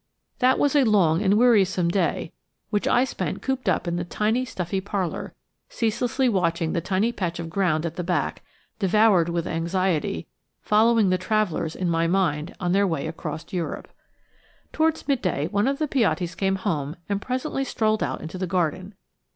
That was a long and wearisome day which I spent cooped up in the tiny, stuffy parlour, ceaselessly watching the tiny patch of ground at the back, devoured with anxiety, following the travellers in my mind on their way across Europe. Towards midday one of the Piattis came home and presently strolled out into the garden.